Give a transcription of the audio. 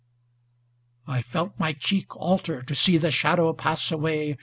ŌĆö I felt my cheek Alter, to see the shadow pass away.